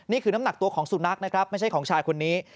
นี่คือน้ำหนักตัวของสุนัขนะครับไม่ใช่ของชายคนนี้